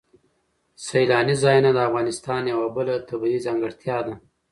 سیلاني ځایونه د افغانستان یوه بله طبیعي ځانګړتیا ده.